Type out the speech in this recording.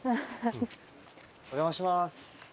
お邪魔します。